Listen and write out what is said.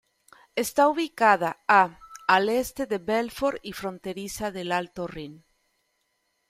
Está ubicada a al este de Belfort y fronteriza del Alto Rin.